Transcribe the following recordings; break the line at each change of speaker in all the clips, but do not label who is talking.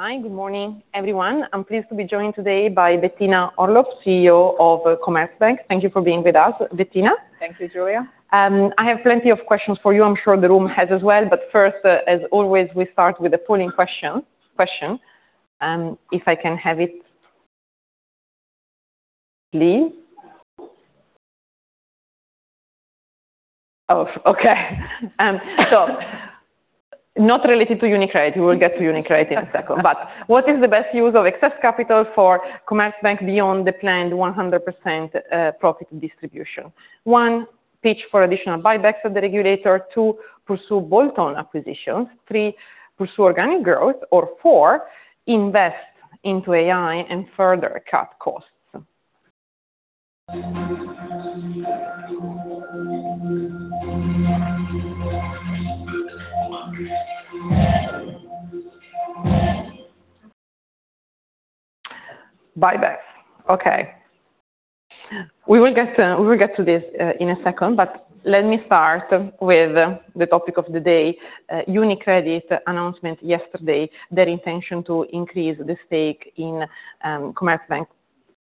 Hi, good morning, everyone. I'm pleased to be joined today by Bettina Orlopp, CEO of Commerzbank. Thank you for being with us, Bettina.
Thank you, Giulia.
I have plenty of questions for you. I'm sure the room has as well. First, as always, we start with the polling question, if I can have it, please. So not related to UniCredit. We will get to UniCredit in a second. What is the best use of excess capital for Commerzbank beyond the planned 100% profit distribution? One, pitch for additional buybacks to the regulator. Two, pursue bolt-on acquisitions. Three, pursue organic growth. Or four, invest into AI and further cut costs. Buybacks. Okay. We will get to this in a second, but let me start with the topic of the day. UniCredit announcement yesterday, their intention to increase the stake in Commerzbank.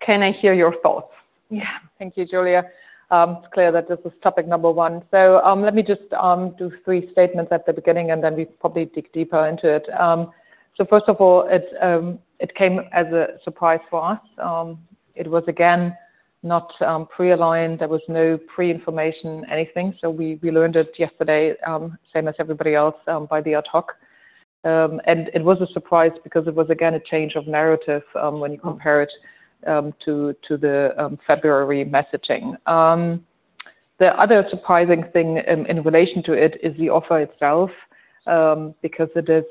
Can I hear your thoughts?
Yeah. Thank you, Giulia. It's clear that this is topic number one. Let me just do three statements at the beginning, and then we probably dig deeper into it. First of all, it came as a surprise for us. It was, again, not pre-aligned. There was no pre-information, anything. We learned it yesterday, same as everybody else, via ad hoc. It was a surprise because it was again, a change of narrative, when you compare it to the February messaging. The other surprising thing in relation to it is the offer itself, because it is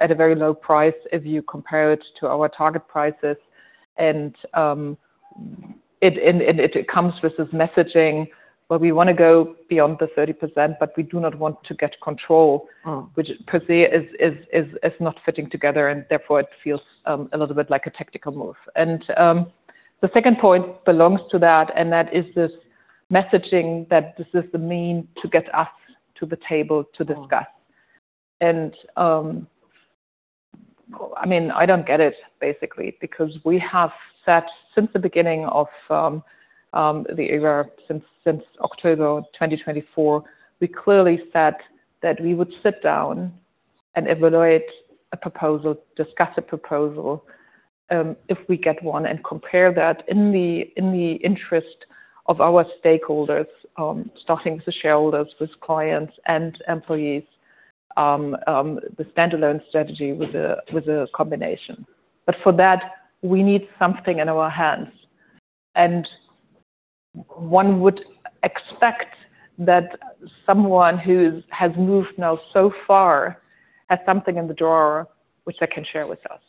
at a very low price if you compare it to our target prices. It comes with this messaging where we wanna go beyond the 30%, but we do not want to get control.
Mm.
Which per se is not fitting together, and therefore it feels a little bit like a tactical move. The second point belongs to that, and that is this messaging that this is the means to get us to the table to discuss. I mean, I don't get it basically because we have said since the beginning of the year, since October 2024, we clearly said that we would sit down and evaluate a proposal, discuss a proposal, if we get one, and compare that in the interest of our stakeholders, starting with the shareholders, with clients and employees, the standalone strategy with a combination. For that, we need something in our hands. One would expect that someone who has moved now so far has something in the drawer which they can share with us.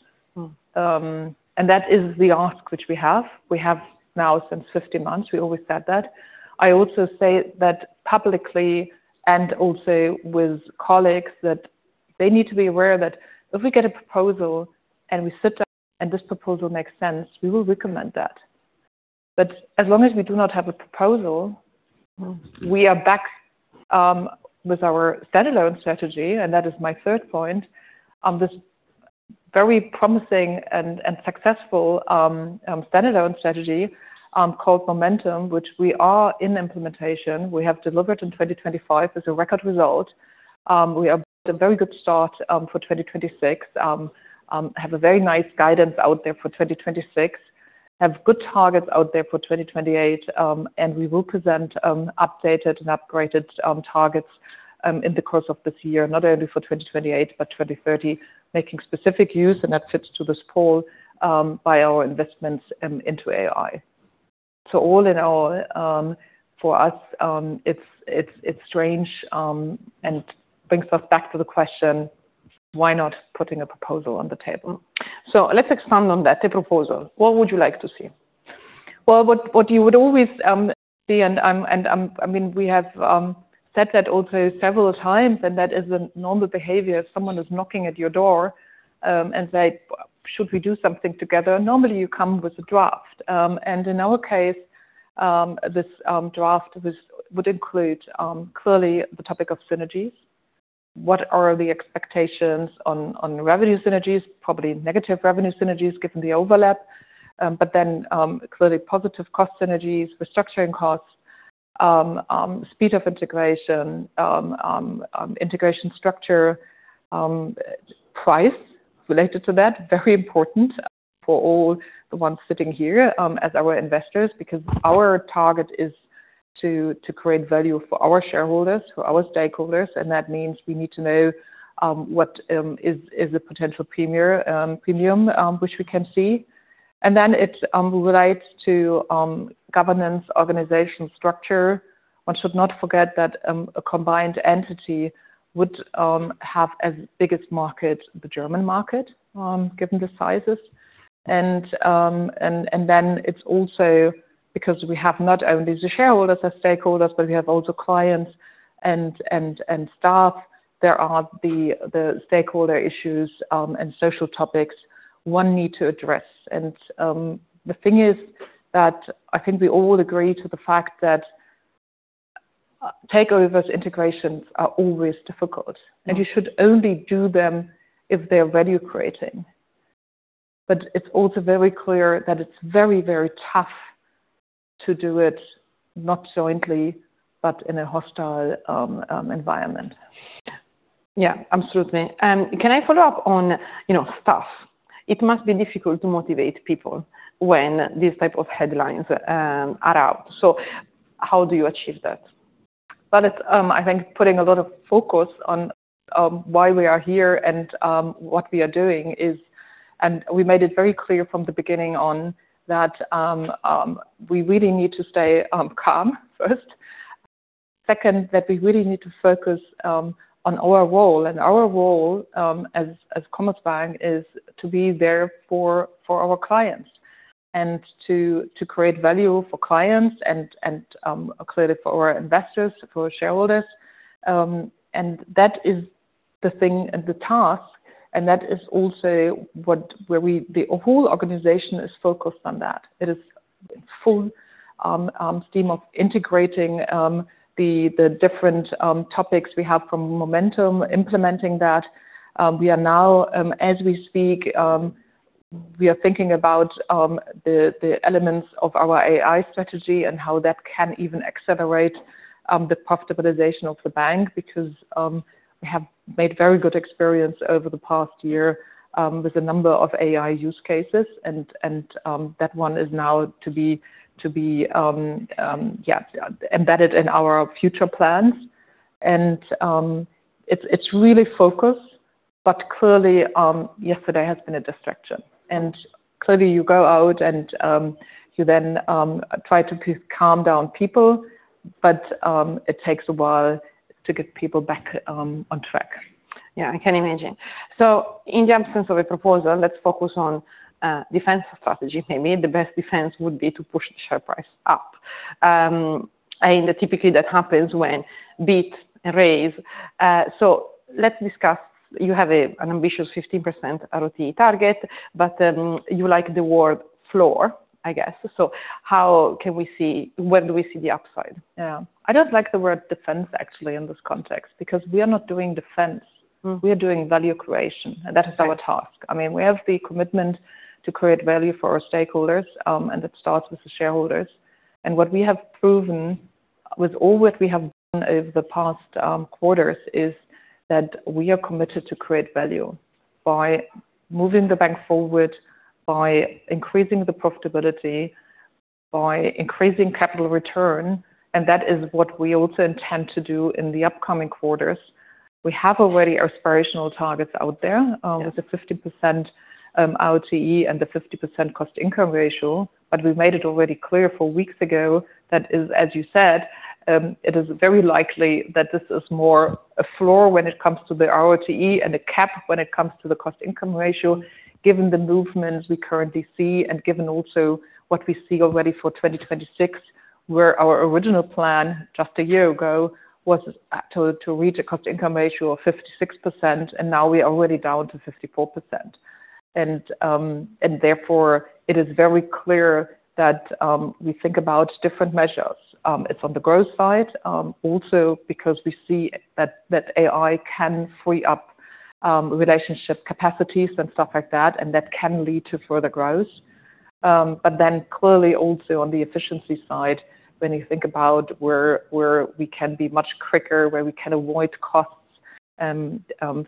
Mm.
That is the ask which we have. We have now since 15 months, we always said that. I also say that publicly and also with colleagues that they need to be aware that if we get a proposal and we sit down and this proposal makes sense, we will recommend that. As long as we do not have a proposal.
Mm.
We are back with our standalone strategy, and that is my third point. This very promising and successful standalone strategy called Momentum, which we are in implementation. We have delivered in 2025 as a record result. We have a very good start for 2026. Have a very nice guidance out there for 2026. Have good targets out there for 2028, and we will present updated and upgraded targets in the course of this year, not only for 2028, but 2030, making specific use, and that fits to this goal by our investments into AI. All in all, for us, it's strange, and brings us back to the question, why not putting a proposal on the table?
Let's expand on that, the proposal. What would you like to see?
Well, what you would always see and, I mean, we have said that also several times, and that is a normal behavior. Someone is knocking at your door and says, "Should we do something together?" Normally, you come with a draft. In our case, this draft would include clearly the topic of synergies. What are the expectations on revenue synergies, probably negative revenue synergies, given the overlap. Clearly positive cost synergies, restructuring costs, speed of integration structure, price related to that, very important for all the ones sitting here, as our investors, because our target is to create value for our shareholders, for our stakeholders, and that means we need to know what is the potential premium which we can see. It relates to governance, organization structure. One should not forget that a combined entity would have as biggest market, the German market, given the sizes. It's also because we have not only the shareholders as stakeholders, but we have also clients and staff. There are the stakeholder issues and social topics one need to address. The thing is that I think we all agree to the fact that takeovers and integrations are always difficult, and you should only do them if they're value-creating. It's also very clear that it's very, very tough to do it, not jointly, but in a hostile environment.
Yeah, absolutely. Can I follow up on, you know, staff? It must be difficult to motivate people when these type of headlines are out. How do you achieve that?
Well, it's I think putting a lot of focus on why we are here and what we are doing and we made it very clear from the beginning on that we really need to stay calm first. Second, that we really need to focus on our role, and our role as Commerzbank is to be there for our clients and to create value for clients and clearly for our investors, for our shareholders. That is the thing and the task, and that is also what the whole organization is focused on that. It is full steam of integrating the different topics we have from Momentum, implementing that. We are now, as we speak, we are thinking about the elements of our AI strategy and how that can even accelerate the profitabilization of the bank because we have made very good experience over the past year with a number of AI use cases and that one is now to be yeah embedded in our future plans. It's really focused, but clearly yesterday has been a distraction. Clearly, you go out and you then try to calm down people, but it takes a while to get people back on track.
Yeah, I can imagine. In the absence of a proposal, let's focus on defense strategy. Maybe the best defense would be to push the share price up. Typically that happens when beat and raise. Let's discuss. You have an ambitious 15% ROTE target, but you like the word floor, I guess. How can we see the upside? When do we see the upside?
Yeah. I don't like the word defense, actually, in this context, because we are not doing defense.
Mm-hmm.
We are doing value creation, and that is our task. I mean, we have the commitment to create value for our stakeholders, and it starts with the shareholders. What we have proven with all what we have done over the past quarters is that we are committed to create value by moving the bank forward, by increasing the profitability, by increasing capital return, and that is what we also intend to do in the upcoming quarters. We have already aspirational targets out there.
Yes.
With the 50% ROTE and the 50% cost-income ratio, but we made it already clear four weeks ago that, as you said, it is very likely that this is more a floor when it comes to the ROTE and a cap when it comes to the cost-income ratio, given the movements we currently see and given also what we see already for 2026, where our original plan just a year ago was to reach a cost-income ratio of 56%, and now we are already down to 54%. Therefore, it is very clear that we think about different measures. It's on the growth side, also because we see that AI can free up relationship capacities and stuff like that, and that can lead to further growth. Clearly also on the efficiency side, when you think about where we can be much quicker, where we can avoid costs,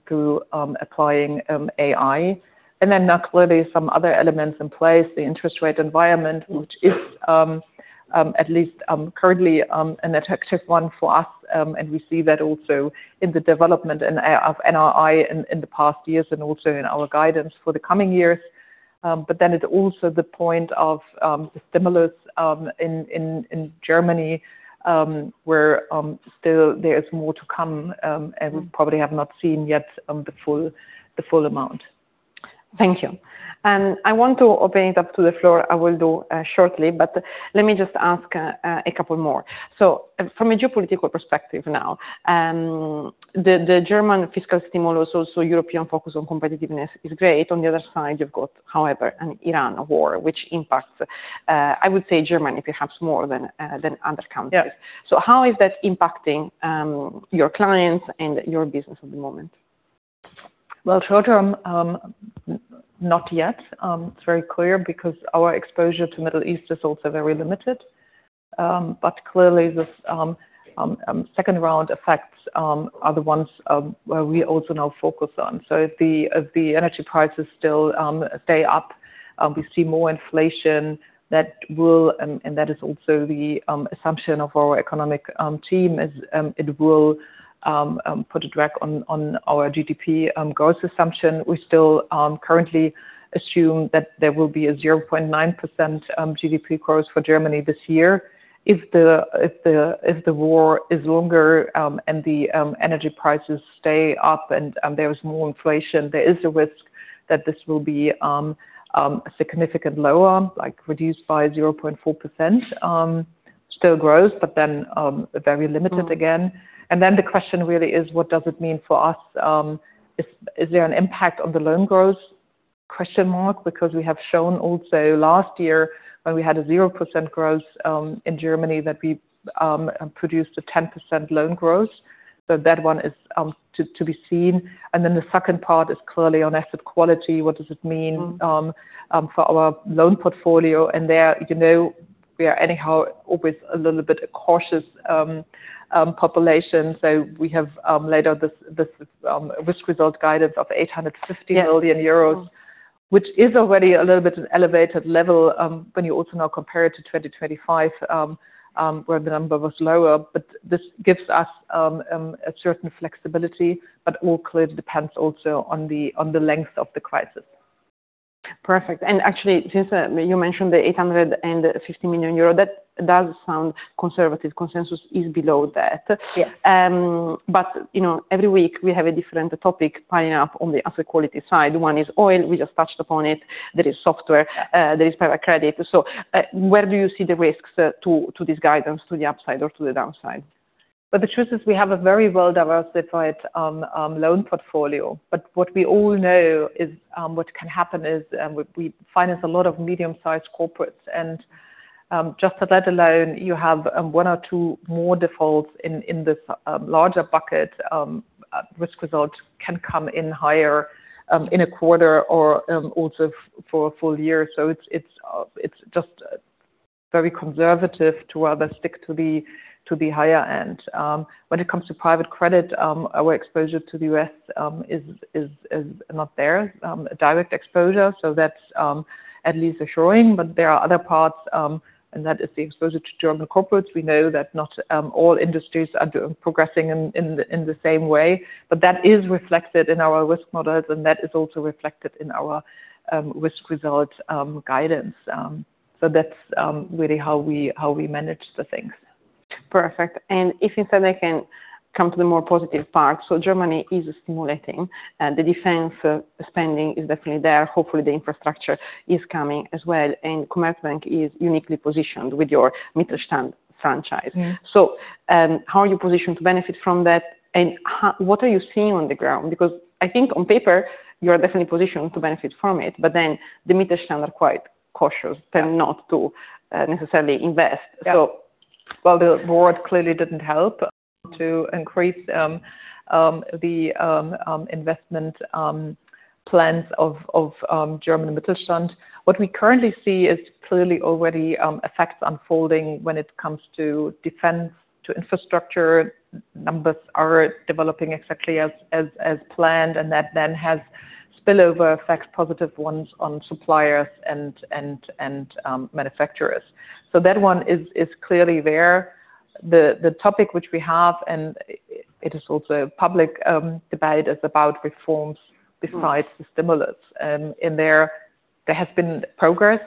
through applying AI. Now clearly some other elements in place, the interest rate environment, which is, at least, currently, an attractive one for us, and we see that also in the development of NII in the past years and also in our guidance for the coming years. It's also the point of the stimulus in Germany, where still there is more to come.
Mm-hmm.
We probably have not seen yet the full amount.
Thank you. I want to open it up to the floor. I will do shortly, but let me just ask a couple more. From a geopolitical perspective now, the German fiscal stimulus, also European focus on competitiveness is great. On the other side, you've got, however, an Iran war, which impacts I would say Germany perhaps more than other countries.
Yes.
How is that impacting your clients and your business at the moment?
Well, short term, not yet. It's very clear because our exposure to Middle East is also very limited. But clearly this second round effects are the ones where we also now focus on. If the energy prices still stay up, we see more inflation that will, and that is also the assumption of our economic team is it will put a drag on our GDP growth assumption. We still currently assume that there will be a 0.9% GDP growth for Germany this year. If the war is longer and the energy prices stay up and there is more inflation, there is a risk that this will be significantly lower, like reduced by 0.4%, still grows, but then very limited again. The question really is what does it mean for us? Is there an impact on the loan growth? Because we have shown also last year when we had a 0% growth in Germany that we produced a 10% loan growth. That one is to be seen. The second part is clearly on asset quality. What does it mean for our loan portfolio? There, you know, we are anyhow always a little bit cautious, population. We have laid out this risk result guidance of 850 million euros, which is already a little bit an elevated level, when you also now compare it to 2025, where the number was lower. This gives us a certain flexibility, but all clearly depends also on the length of the crisis.
Perfect. Actually, since you mentioned the 850 million euro, that does sound conservative. Consensus is below that.
Yeah.
You know, every week we have a different topic piling up on the asset quality side. One is oil, we just touched upon it. There is software, there is private credit. Where do you see the risks to this guidance to the upside or to the downside?
The truth is we have a very well-diversified loan portfolio. What we all know is what can happen is we finance a lot of medium-sized corporates, and just for that alone, you have one or two more defaults in this larger bucket, risk result can come in higher in a quarter or also for a full year. It's just very conservative to rather stick to the higher end. When it comes to private credit, our exposure to the U.S. is not there, direct exposure. That's at least assuring. There are other parts, and that is the exposure to German corporates. We know that not all industries are progressing in the same way, but that is reflected in our risk models, and that is also reflected in our risk results guidance. That's really how we manage the things.
Perfect. If instead I can come to the more positive part. Germany is stimulating. The defense spending is definitely there. Hopefully, the infrastructure is coming as well. Commerzbank is uniquely positioned with your Mittelstand franchise.
Mm-hmm.
how are you positioned to benefit from that? What are you seeing on the ground? Because I think on paper you are definitely positioned to benefit from it, but then the Mittelstand are quite cautious.
Yeah.
Tend not to necessarily invest.
Yeah.
So.
Well, the war clearly didn't help to increase the investment plans of German Mittelstand. What we currently see is clearly already effects unfolding when it comes to defense to infrastructure. Numbers are developing exactly as planned, and that then has spillover effects, positive ones on suppliers and manufacturers. That one is clearly there. The topic which we have, and it is also public debate, is about reforms besides the stimulus. There has been progress,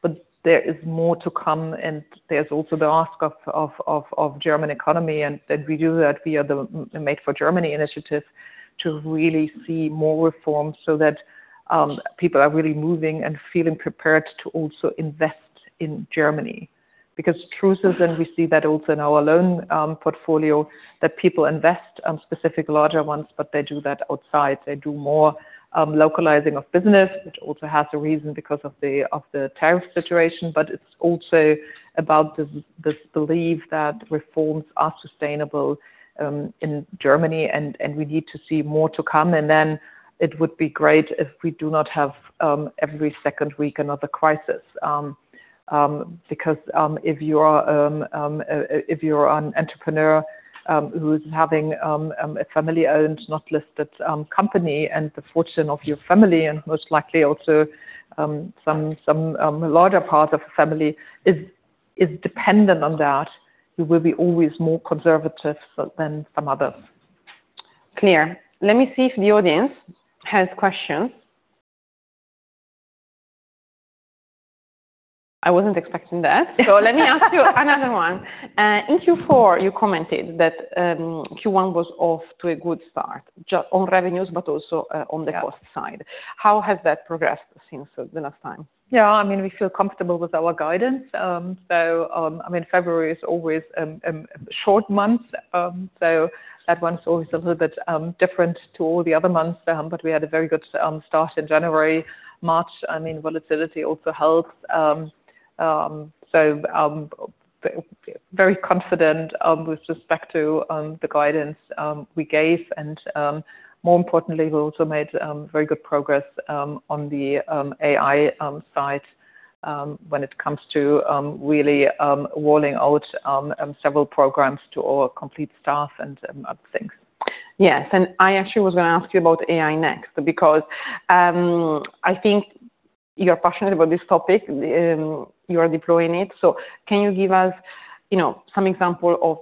but there is more to come, and there's also the ask of German economy, and that we do that via the made for Germany initiative to really see more reforms so that people are really moving and feeling prepared to also invest in Germany. Because truth is, and we see that also in our loan portfolio, that people invest specific larger ones, but they do that outside. They do more localizing of business, which also has a reason because of the tariff situation. It's also about this belief that reforms are sustainable in Germany and we need to see more to come. It would be great if we do not have every second week another crisis. Because if you are an entrepreneur who's having a family-owned, not listed company, and the fortune of your family and most likely also some larger part of family is dependent on that, you will be always more conservative than some others.
Clear. Let me see if the audience has questions. I wasn't expecting that. Let me ask you another one. In Q4, you commented that Q1 was off to a good start on revenues but also on the cost side. How has that progressed since the last time?
Yeah. I mean, we feel comfortable with our guidance. I mean, February is always short month. That one's always a little bit different to all the other months. We had a very good start in January. March, I mean, volatility also helps. Very confident with respect to the guidance we gave. More importantly, we also made very good progress on the AI side when it comes to really rolling out several programs to all complete staff and other things.
Yes. I actually was gonna ask you about AI next because, I think you're passionate about this topic. You are deploying it. Can you give us, you know, some example of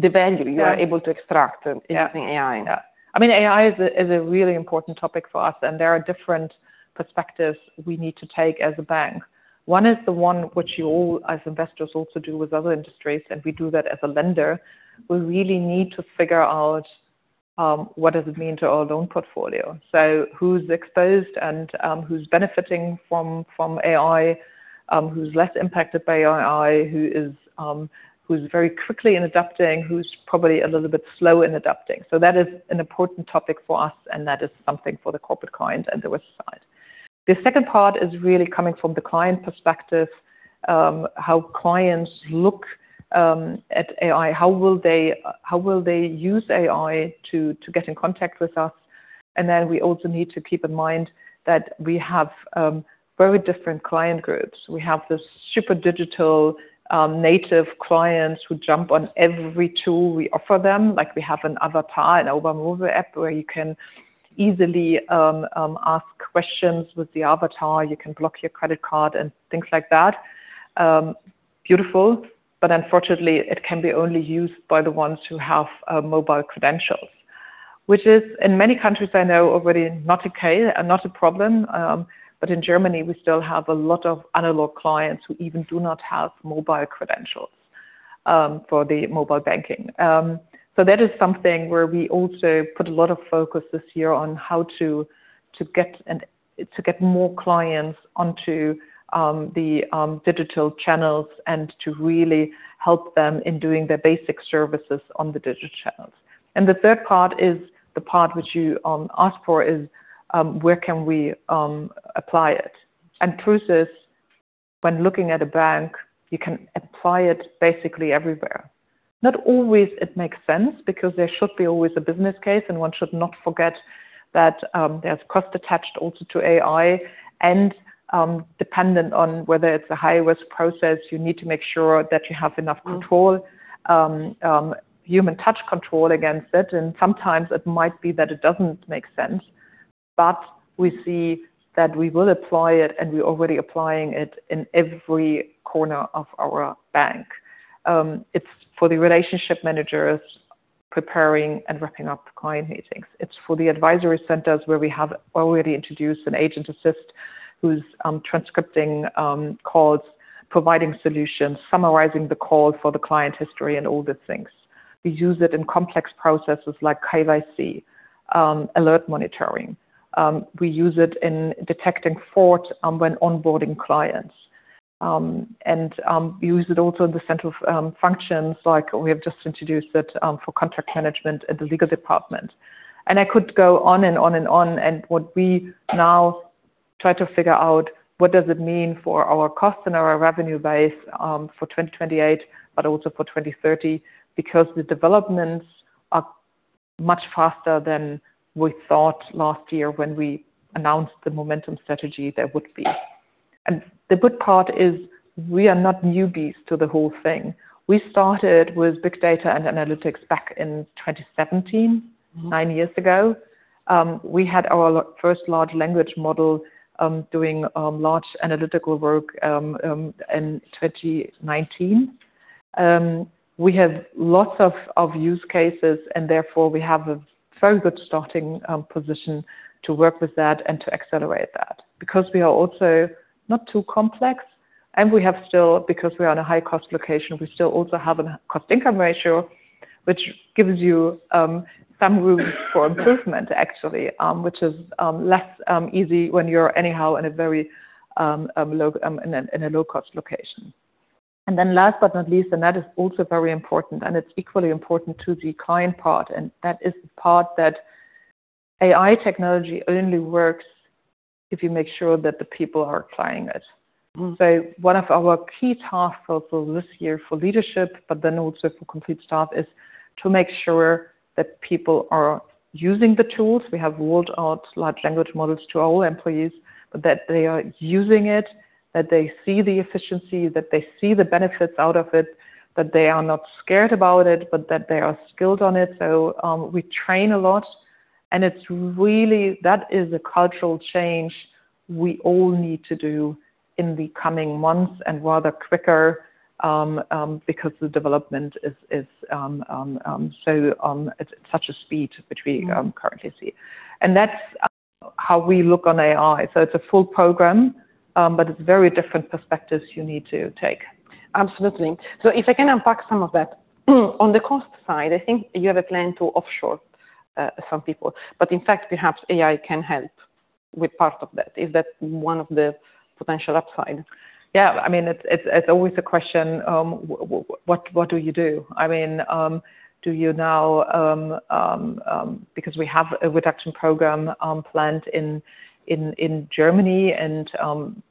the value-
Yeah.
you are able to extract using AI?
Yeah. I mean, AI is a really important topic for us, and there are different perspectives we need to take as a bank. One is the one which you all as investors also do with other industries, and we do that as a lender. We really need to figure out what does it mean to our loan portfolio. Who's exposed and, who's benefiting from AI, who's less impacted by AI, who's very quickly in adapting, who's probably a little bit slow in adapting. That is an important topic for us, and that is something for the corporate clients and the risk side. The second part is really coming from the client perspective, how clients look at AI. How will they use AI to get in contact with us? We also need to keep in mind that we have very different client groups. We have this super digital native clients who jump on every tool we offer them. Like we have an avatar, a mobile app where you can easily ask questions with the avatar. You can block your credit card and things like that. Beautiful, but unfortunately it can be only used by the ones who have mobile credentials. Which is in many countries I know already not a problem, but in Germany we still have a lot of analog clients who even do not have mobile credentials for the mobile banking. That is something where we also put a lot of focus this year on how to get an...to get more clients onto the digital channels and to really help them in doing their basic services on the digital channels. The third part is the part which you asked for is, where can we apply it? Truth is, when looking at a bank, you can apply it basically everywhere. Not always it makes sense because there should be always a business case, and one should not forget that, there's cost attached also to AI and, dependent on whether it's a high-risk process. You need to make sure that you have enough control, human touch control against it, and sometimes it might be that it doesn't make sense. We see that we will apply it, and we're already applying it in every corner of our bank. It's for the relationship managers preparing and wrapping up client meetings. It's for the advisory centers where we have already introduced an agent assist who's transcribing calls, providing solutions, summarizing the call for the client history and all the things. We use it in complex processes like KYC, alert monitoring. We use it in detecting fraud when onboarding clients. We use it also in the central functions, like we have just introduced it for contract management at the legal department. I could go on and on and on and what we now try to figure out what does it mean for our cost and our revenue base for 2028 but also for 2030 because the developments are much faster than we thought last year when we announced the Momentum strategy there would be. The good part is we are not newbies to the whole thing. We started with big data and analytics back in 2017.
Mm-hmm.
Nine years ago. We had our first large language model doing large analytical work in 2019. We have lots of use cases and therefore we have a very good starting position to work with that and to accelerate that. Because we are also not too complex, and we have still, because we are on a high-cost location, we still also have a cost-income ratio, which gives you some room for improvement actually, which is less easy when you're anyhow in a very low-cost location. Last but not least, and that is also very important, and it's equally important to the client part, and that is the part that AI technology only works if you make sure that the people are applying it.
Mm-hmm.
One of our key tasks also this year for leadership, but then also for complete staff, is to make sure that people are using the tools. We have rolled out large language models to all employees, but that they are using it, that they see the efficiency, that they see the benefits out of it, that they are not scared about it, but that they are skilled on it. We train a lot, and it's really that is a cultural change we all need to do in the coming months and rather quicker, because the development is so at such a speed which we.
Mm.
That's how we look on AI. It's a full program, but it's very different perspectives you need to take.
Absolutely. If I can unpack some of that. On the cost side, I think you have a plan to offshore some people, but in fact perhaps AI can help with part of that. Is that one of the potential upside?
Yeah. I mean, it's always a question of what do you do? I mean, do you now, because we have a reduction program planned in Germany and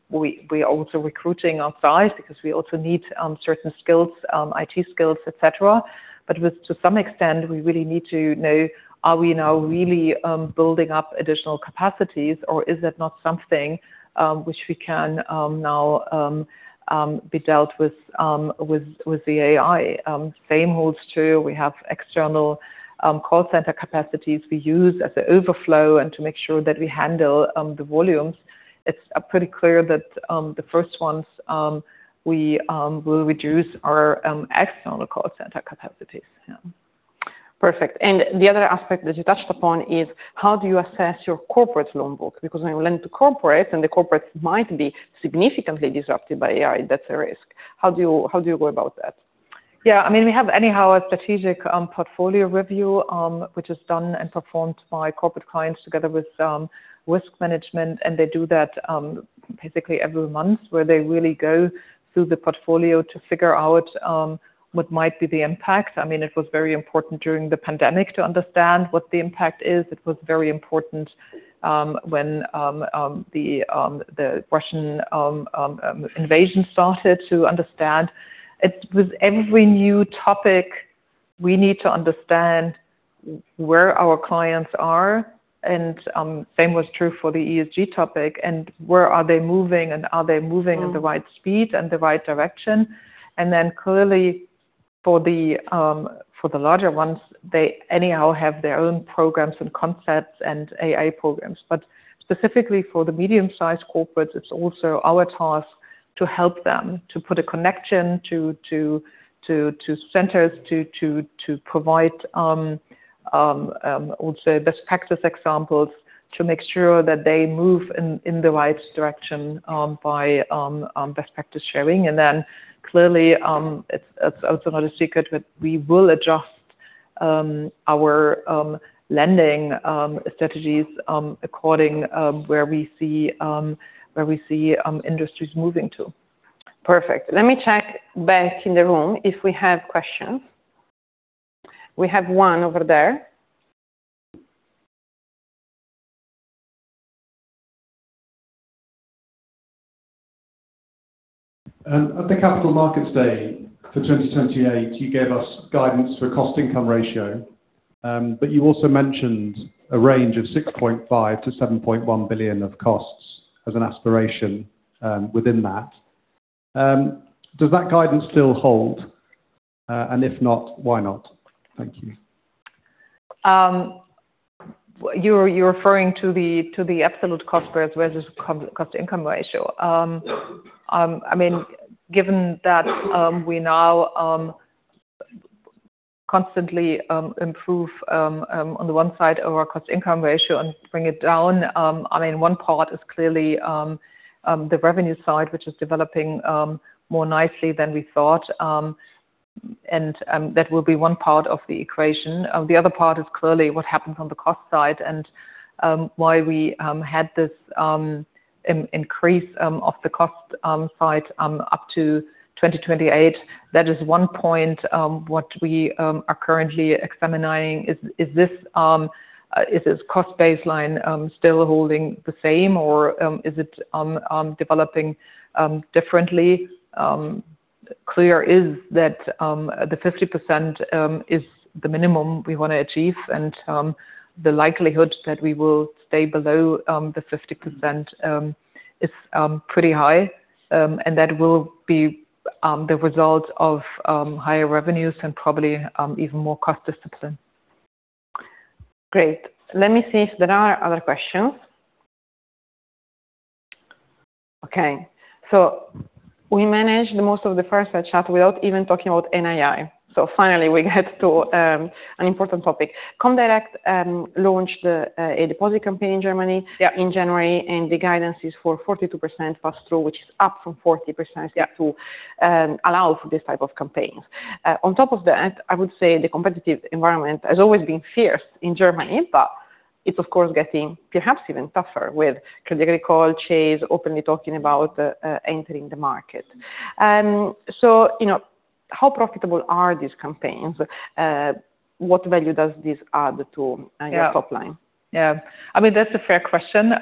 we are also recruiting outside because we also need certain skills, IT skills, etc. To some extent, we really need to know, are we now really building up additional capacities or is that not something which we can now be dealt with with the AI? Same holds true. We have external call center capacities we use as a overflow and to make sure that we handle the volumes. It's pretty clear that the first ones we will reduce are external call center capacities. Yeah.
Perfect. The other aspect that you touched upon is how do you assess your corporate loan book? Because when you lend to corporate and the corporate might be significantly disrupted by AI, that's a risk. How do you go about that?
Yeah. I mean, we have anyhow a strategic portfolio review, which is done and performed by corporate clients together with risk management, and they do that basically every month where they really go through the portfolio to figure out what might be the impact. I mean, it was very important during the pandemic to understand what the impact is. It was very important when the Russian invasion started to understand. With every new topic, we need to understand where our clients are, and same was true for the ESG topic, and where are they moving, and are they moving-
Mm.
At the right speed and the right direction. Clearly for the larger ones, they anyhow have their own programs and concepts and AI programs. Specifically for the medium-sized corporates, it's also our task to help them to put a connection to centers to provide also best practice examples to make sure that they move in the right direction by best practice sharing. Clearly, it's also not a secret that we will adjust our lending strategies according to where we see industries moving to.
Perfect. Let me check back in the room if we have questions. We have one over there.
At the Capital Markets Day for 2028, you gave us guidance for cost-income ratio, but you also mentioned a range of 6.5 billion-7.1 billion of costs as an aspiration, within that. Does that guidance still hold? If not, why not? Thank you.
You're referring to the absolute cost versus cost-income ratio.
Yeah.
I mean, given that we now constantly improve on the one side of our cost-income ratio and bring it down. I mean, one part is clearly the revenue side, which is developing more nicely than we thought. That will be one part of the equation. The other part is clearly what happens on the cost side and why we had this increase of the cost side up to 2028. That is one point what we are currently examining. Is this cost baseline still holding the same or is it developing differently? It's clear that the 50% is the minimum we wanna achieve, and the likelihood that we will stay below the 50% is pretty high. That will be the result of higher revenues and probably even more cost discipline.
Great. Let me see if there are other questions. Okay. We managed most of the first chat without even talking about NII. Finally, we get to an important topic. comdirect launched a deposit campaign in Germany-
Yeah.
-in January, and the guidance is for 42% pass-through, which is up from 40%-
Yeah.
-to, allow for this type of campaigns. On top of that, I would say the competitive environment has always been fierce in Germany, but it's of course getting perhaps even tougher with Crédit Agricole, Chase openly talking about, entering the market. You know, how profitable are these campaigns? What value does this add to-
Yeah.
-your top line?
Yeah. I mean, that's a fair question.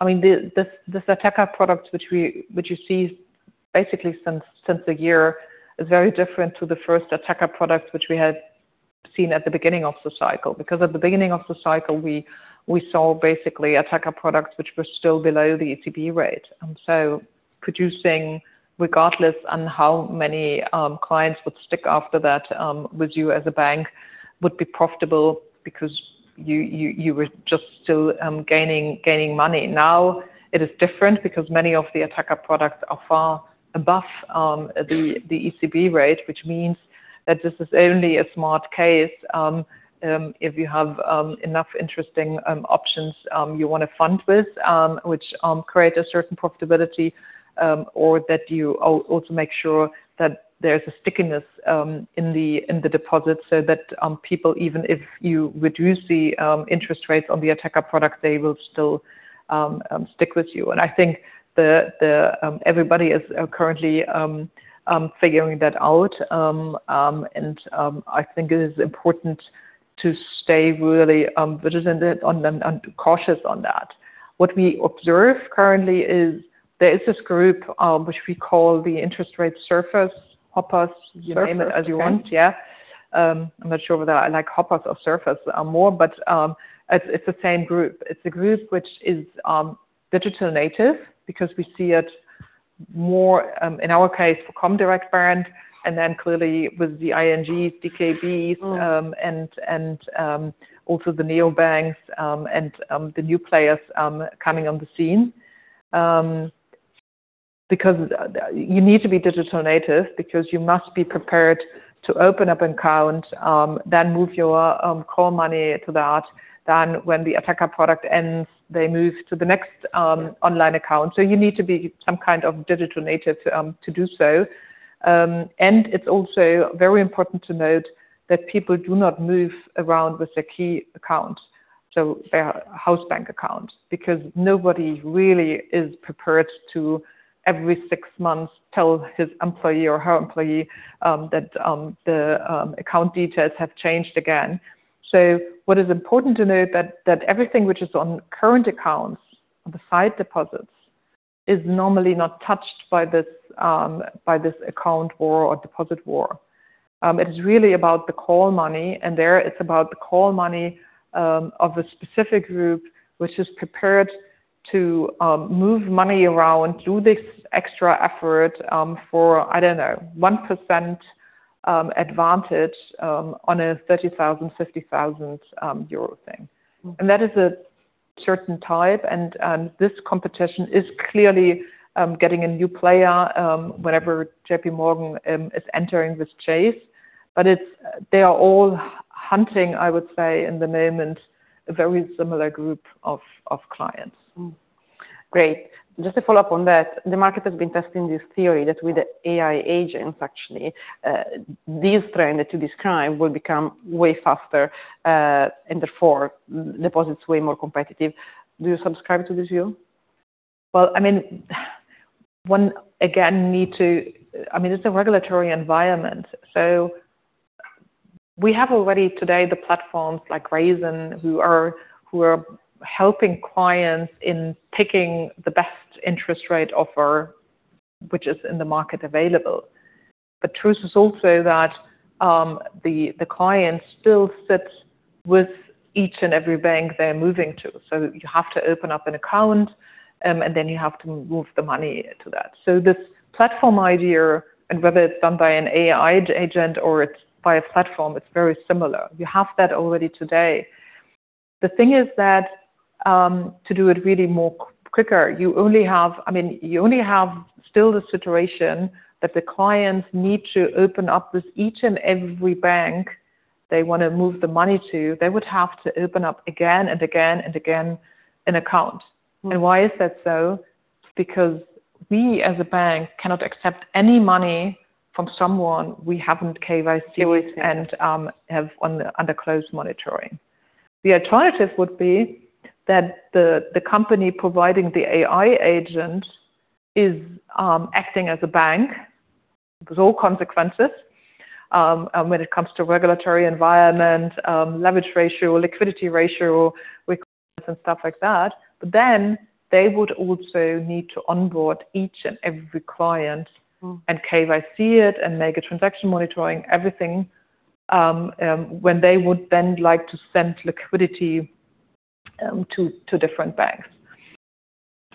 I mean, this attacker product which you see basically since a year is very different to the first attacker product which we had seen at the beginning of the cycle. Because at the beginning of the cycle, we saw basically attacker products which were still below the ECB rate. Producing regardless of how many clients would stick after that with you as a bank would be profitable because you were just still gaining money. Now it is different because many of the attacker products are far above the ECB rate, which means that this is only a smart case if you have enough interesting options you wanna fund with which create a certain profitability or that you also make sure that there's a stickiness in the deposit so that people even if you reduce the interest rates on the attacker product they will still stick with you. I think that everybody is currently figuring that out. I think it is important to stay really vigilant on them and cautious on that. What we observe currently is this group which we call the interest rate surfers, hoppers.
First, okay.
You name it as you want. Yeah. I'm not sure whether I like hipsters or surfers more, but it's the same group. It's a group which is digital native because we see it more in our case for comdirect brand, and then clearly with the ING, DKB's.
Mm.
Also the neobanks, and the new players coming on the scene. Because you need to be digital native because you must be prepared to open up an account, then move your core money to that. When the attacker product ends, they move to the next online account. You need to be some kind of digital native to do so. It's also very important to note that people do not move around with their key account, so their house bank account, because nobody really is prepared to every six months tell his employer or her employer that the account details have changed again. What is important to note that everything which is on current accounts, on the sight deposits, is normally not touched by this, by this account war or deposit war. It is really about the call money, and there it's about the call money, of a specific group which is prepared to move money around, do this extra effort, for, I don't know, 1% advantage, on a 30,000, 50,000 euro thing.
Mm-hmm.
That is a certain type and this competition is clearly getting a new player whenever JPMorgan is entering with Chase. They are all hunting, I would say, in the moment, a very similar group of clients.
Mm-hmm. Great. Just to follow up on that, the market has been testing this theory that with the AI agents actually, this trend that you describe will become way faster, and therefore deposits way more competitive. Do you subscribe to this view?
Well, I mean, it's a regulatory environment. We have already today the platforms like Raisin who are helping clients in picking the best interest rate offer which is available in the market. The truth is also that, the client still sits with each and every bank they're moving to. You have to open up an account, and then you have to move the money to that. This platform idea, and whether it's done by an AI agent or it's by a platform, it's very similar. You have that already today. The thing is that, to do it really more quicker, you only have still the situation that the clients need to open up with each and every bank they wanna move the money to. They would have to open up again and again and again an account.
Mm-hmm.
Why is that so? Because we as a bank cannot accept any money from someone we haven't KYC-ed-
KYC.
-have under close monitoring. The alternative would be that the company providing the AI agent is acting as a bank with all consequences when it comes to regulatory environment, leverage ratio, liquidity ratio requirements and stuff like that. They would also need to onboard each and every client.
Mm-hmm
KYC it and make a transaction monitoring, everything, when they would then like to send liquidity to different banks.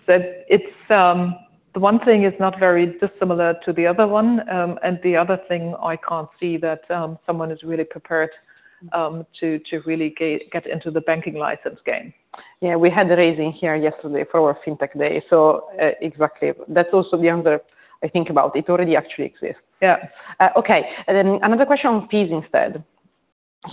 The one thing is not very dissimilar to the other one. The other thing, I can't see that someone is really prepared to really get into the banking license game.
Yeah. We had the Raisin here yesterday for our FinTech Day. Exactly. That's also the other thing I think about. It already actually exists.
Yeah.
Okay. Another question on fees instead.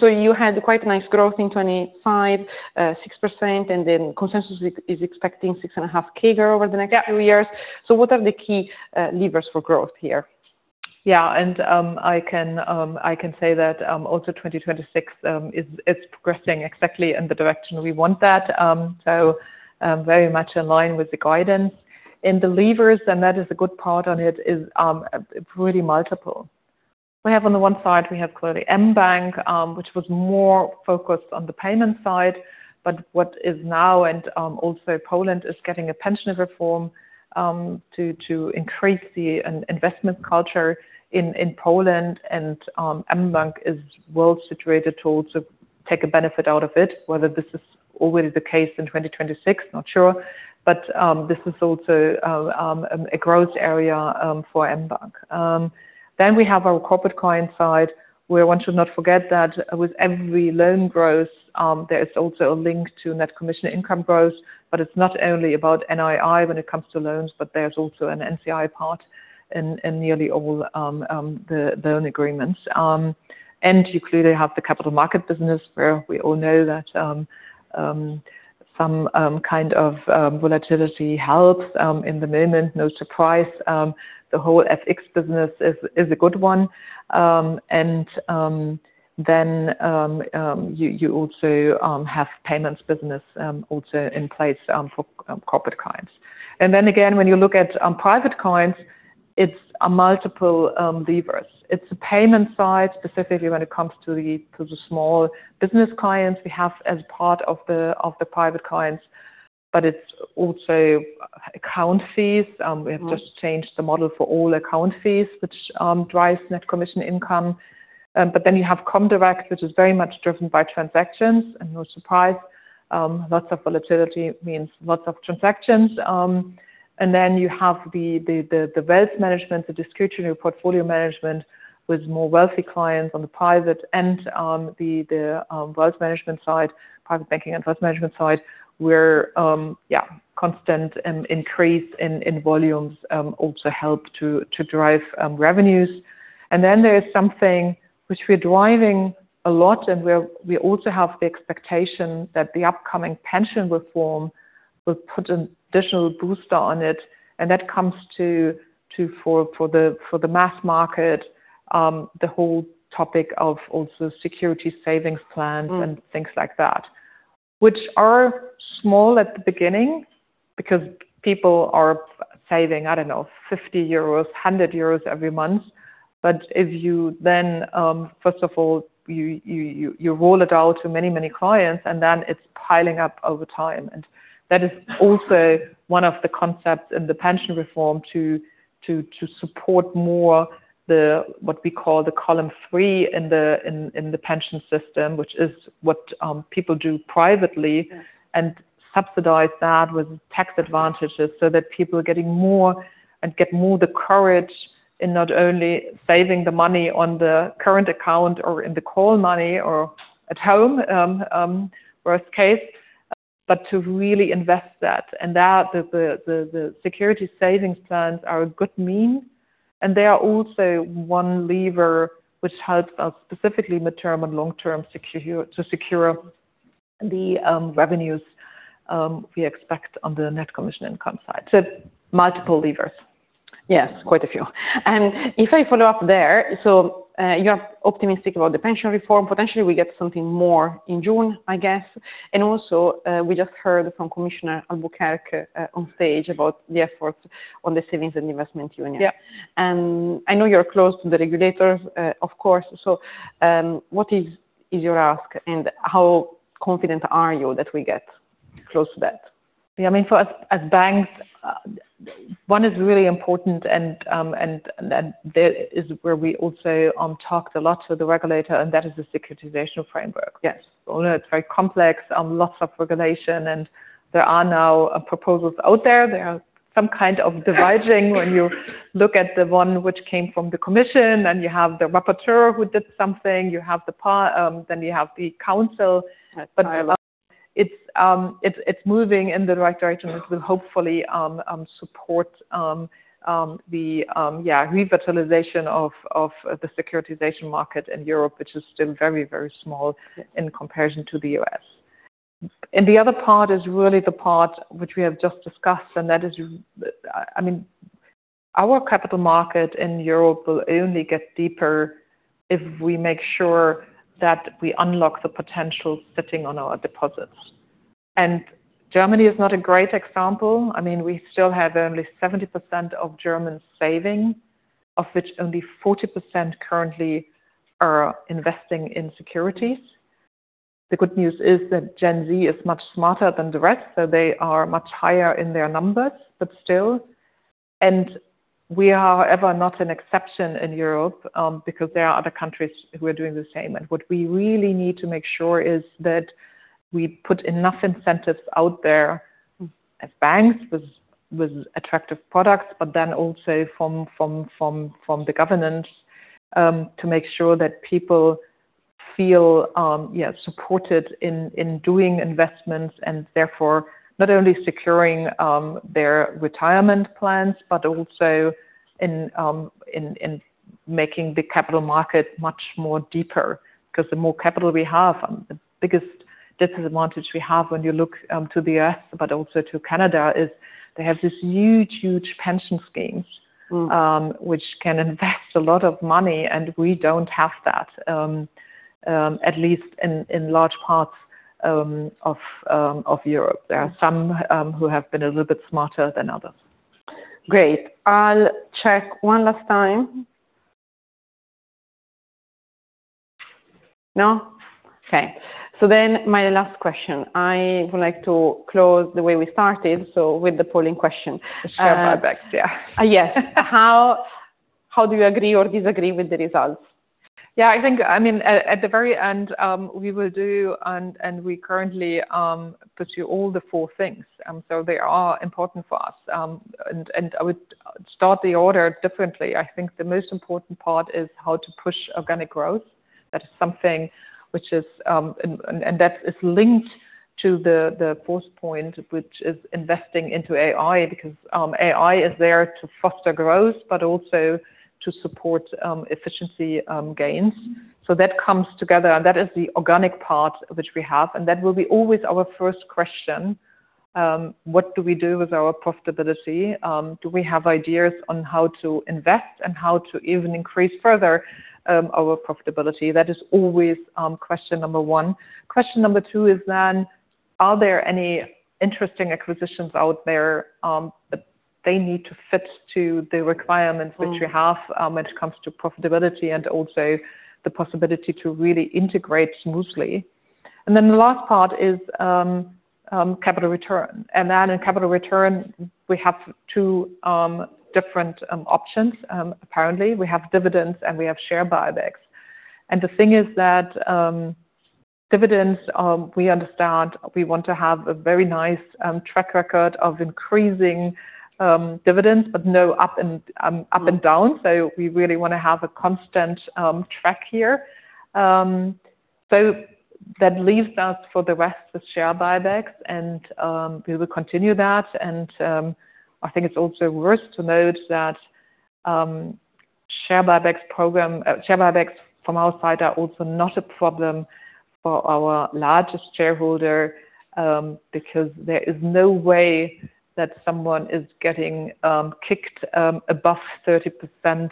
You had quite nice growth in 2025, 6%, and consensus is expecting 6.5% CAGR over the next few years.
Yeah.
What are the key levers for growth here?
I can say that also 2026 is progressing exactly in the direction we want that. Very much in line with the guidance. In the levers, that is a good part on it, is pretty multiple. We have on one side clearly mBank, which was more focused on the payment side. What is now also Poland is getting a pension reform to increase the investment culture in Poland. mBank is well situated to also take a benefit out of it. Whether this is already the case in 2026, not sure. This is also a growth area for mBank. We have our corporate client side, where one should not forget that with every loan growth, there is also a link to net commission income growth. It's not only about NII when it comes to loans, but there's also an NCI part in nearly all the loan agreements. You clearly have the capital market business, where we all know that some kind of volatility helps in the moment. No surprise, the whole FX business is a good one. You also have payments business also in place for corporate clients. When you look at private clients, it's a multiple levers. It's the payment side, specifically when it comes to the small business clients we have as part of the private clients. It's also account fees. We have just changed the model for all account fees, which drives net commission income. You have comdirect, which is very much driven by transactions. No surprise, lots of volatility means lots of transactions. You have the wealth management, the discretionary portfolio management with more wealthy clients on the private and wealth management side, private banking and wealth management side, where constant increase in volumes also help to drive revenues. There is something which we're driving a lot, and we also have the expectation that the upcoming pension reform will put an additional booster on it, and that comes to for the mass market, the whole topic of also securities savings plans.
Mm.
Things like that. Which are small at the beginning because people are saving, I don't know, 50 euros, 100 euros every month. But if you then, first of all, you roll it out to many clients, and then it's piling up over time. That is also one of the concepts in the pension reform to support more the, what we call the pillar three in the pension system, which is what people do privately.
Yeah.
Subsidize that with tax advantages so that people are getting more and get more the courage in not only saving the money on the current account or in the cash money or at home, worst case, but to really invest that. That the securities savings plans are a good means, and they are also one lever which helps us specifically midterm and long-term to secure the revenues we expect on the net commission income side.
Multiple levers?
Yes, quite a few.
If I follow up there, so, you are optimistic about the pension reform. Potentially, we get something more in June, I guess. Also, we just heard from Commissioner Albuquerque on stage about the efforts on the savings and investment union.
Yeah.
I know you're close to the regulators, of course. What is your ask, and how confident are you that we get close to that?
Yeah, I mean, for us as banks, one is really important and that is where we also talked a lot to the regulator, and that is the securitisation framework.
Yes.
I know it's very complex, lots of regulation, and there are now proposals out there. There are some kind of divergences when you look at the one which came from the commission, and you have the rapporteur who did something. Then you have the council.
Yes.
It's moving in the right direction, which will hopefully support the revitalization of the securitization market in Europe, which is still very, very small in comparison to the U.S.. The other part is really the part which we have just discussed, and that is, I mean, our capital market in Europe will only get deeper if we make sure that we unlock the potential sitting on our deposits. Germany is not a great example. I mean, we still have only 70% of Germans saving, of which only 40% currently are investing in securities. The good news is that Gen Z is much smarter than the rest, so they are much higher in their numbers, but still. We are, however, not an exception in Europe, because there are other countries who are doing the same. What we really need to make sure is that we put enough incentives out there as banks with attractive products, but then also from the government, to make sure that people feel yeah supported in doing investments and therefore not only securing their retirement plans, but also in making the capital market much more deeper. Because the more capital we have, the biggest disadvantage we have when you look to the U.S., but also to Canada, is they have this huge pension schemes.
Mm.
Which can invest a lot of money, and we don't have that, at least in large parts of Europe. There are some who have been a little bit smarter than others.
Great. I'll check one last time. No? Okay. My last question. I would like to close the way we started, so with the polling question.
The share buybacks, yeah.
Yes. How do you agree or disagree with the results?
Yeah, I think, I mean, at the very end, we will do and we currently put to you all the four things. They are important for us. I would start the order differently. I think the most important part is how to push organic growth. That is something, and that is linked to the fourth point, which is investing into AI because AI is there to foster growth, but also to support efficiency gains. That comes together, and that is the organic part which we have. That will be always our first question, what do we do with our profitability? Do we have ideas on how to invest and how to even increase further our profitability? That is always question number one. Question number two is, are there any interesting acquisitions out there, but they need to fit to the requirements which you have, when it comes to profitability and also the possibility to really integrate smoothly. The last part is capital return. In capital return, we have two different options, apparently. We have dividends, and we have share buybacks. The thing is that dividends, we understand we want to have a very nice track record of increasing dividends, but no up and down. We really wanna have a constant track here. That leaves us for the rest with share buybacks, and we will continue that. I think it's also worth to note that share buybacks from our side are also not a problem for our largest shareholder, because there is no way that someone is getting kicked above 30%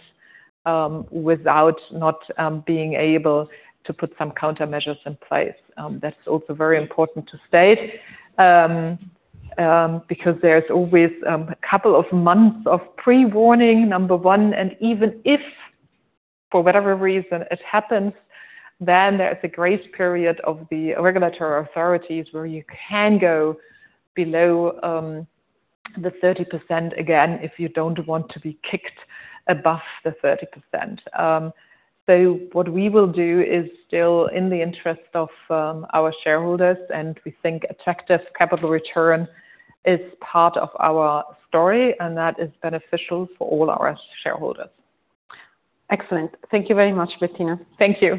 without not being able to put some countermeasures in place. That's also very important to state. Because there's always a couple of months of pre-warning, number one. Even if, for whatever reason it happens, then there's a grace period of the regulatory authorities where you can go below the 30% again if you don't want to be kicked above the 30%. What we will do is still in the interest of our shareholders, and we think attractive capital return is part of our story, and that is beneficial for all our shareholders.
Excellent. Thank you very much, Bettina.
Thank you.